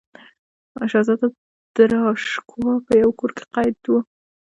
شهزاده داراشکوه په یوه کور کې قید و.